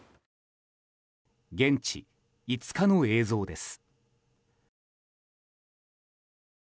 現地５日の映像です。